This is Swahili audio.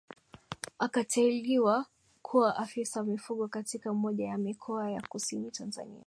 Akateuliwa kuwa afisa mifugo katika moja ya mikoa ya Kusini Tanzania